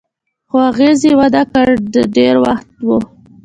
خو اغېز یې و نه کړ، د ډېر وخت و.